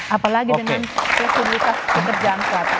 apalagi dengan keseluruhannya pekerjaan kelat